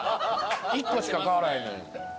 １個しか変わらへんのに。